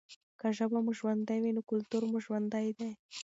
که ژبه مو ژوندۍ وي نو کلتور مو ژوندی دی.